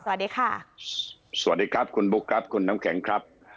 สวัสดีค่ะสวัสดีครับคุณบุ๊คครับคุณน้ำแข็งครับ